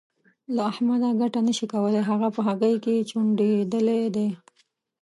له احمده ګټه نه شې کولای؛ هغه په هګۍ کې چوڼېدلی دی.